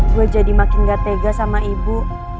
gue jadi makin gak tega sama ibu